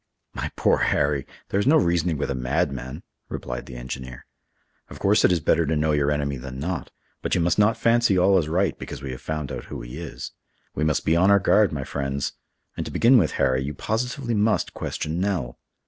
"My poor Harry! there is no reasoning with a madman," replied the engineer. "Of course it is better to know your enemy than not; but you must not fancy all is right because we have found out who he is. We must be on our guard, my friends; and to begin with, Harry, you positively must question Nell.